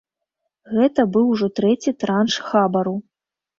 Гэта быў ужо трэці транш хабару.